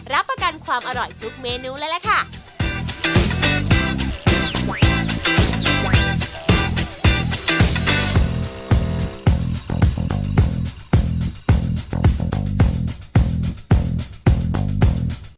รับประกันความอร่อยทุกเมนูเลยล่ะค่ะ